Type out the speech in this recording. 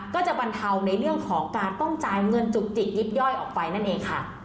ก็จะบรรเทาในเรื่องของการต้องจ่ายเงินจุกจิกยิบย่อยออกไปนั่นเองค่ะ